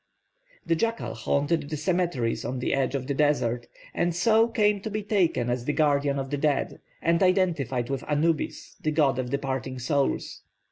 The jackal haunted the cemeteries on the edge of the desert, and so came to be taken as the guardian of the dead, and identified with Anubis, the god of departing souls.